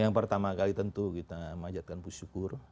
yang pertama kali tentu kita majatkan puji syukur